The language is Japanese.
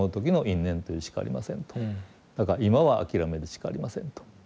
だから今は諦めるしかありませんと。